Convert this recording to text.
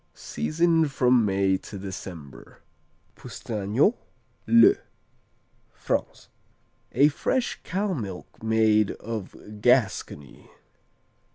Season from May to December. Poustagnax, le France A fresh cow milk cheese of Gascony.